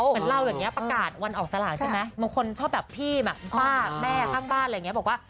เหมือนเล่าอย่างนี้ประกาศวันออกสละใช่ไหมบางคนชอบแบบพี่แม่ข้างบ้านบอกว่า